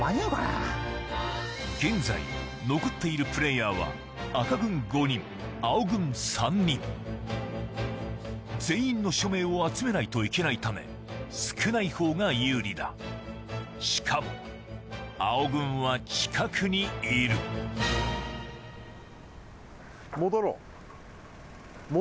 現在残っているプレイヤーは赤軍５人青軍３人全員の署名を集めないといけないため少ないほうが有利だしかも青軍は近くにいる戻ろう。